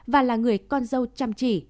và là người con dâu chăm chỉ